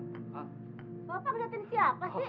bapak ngeliatin siapa sih